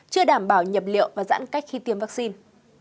chưa đảm bảo nhập liệu và giãn cách khi tiêm vaccine